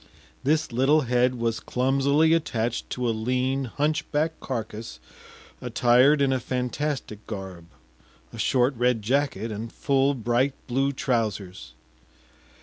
This little head was clumsily attached to a lean hunch back carcass attired in a fantastic garb, a short red jacket, and full bright blue trousers.